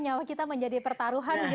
nyawa kita menjadi pertaruhan gitu ya